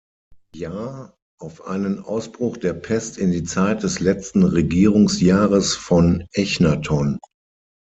Jahr" auf einen Ausbruch der Pest in die Zeit des letzten Regierungsjahres von Echnaton.